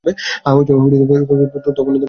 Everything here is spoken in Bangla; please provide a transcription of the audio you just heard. হ্যাঁ, তখনো একটা সুযোগ থাকবে।